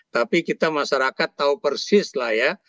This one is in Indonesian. tapi kita masyarakat tahu persis lah ya